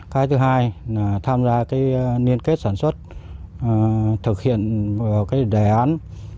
cái thứ hai là tham gia liên kết sản xuất thực hiện đề án